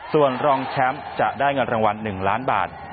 ส่วนรองแชมป์จะได้เงินรางวัล๑ล้านบาท